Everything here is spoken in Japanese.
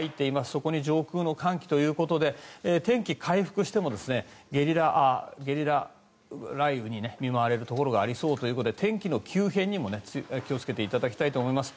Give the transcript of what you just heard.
そこに上空の寒気ということで天気回復してもゲリラ雷雨に見舞われるところがありそうということで天気の急変にも気をつけていただきたいと思います。